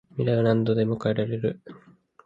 未来は何度でも変えられる